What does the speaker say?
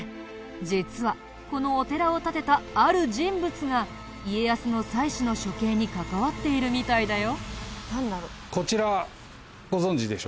実はこのお寺を建てたある人物が家康の妻子の処刑に関わっているみたいだよ。